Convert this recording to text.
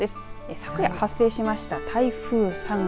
昨夜発生しました台風３号。